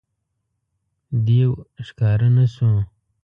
دېو ښکاره نه شو.